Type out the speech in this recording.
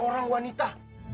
dua orang wanita